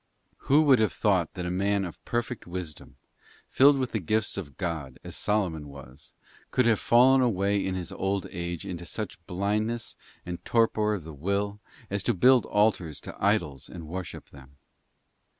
Who would have thought that a man of perfect wisdom, filled with the gifts of God, as Solomon was, could have fallen away in his old age into such blindness and torpor of the will, as to build altars to idols and worship them?